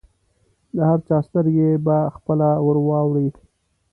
د هر چا سترګې به پخپله ورواوړي.